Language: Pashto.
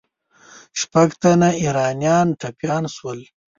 شپږ تنه ایرانیان ټپیان سول.